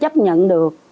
chấp nhận được